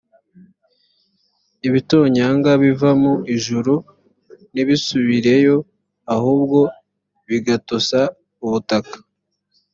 ibitonyanga biva mu ijuru ntibisubireyo ahubwo bigatosa ubutaka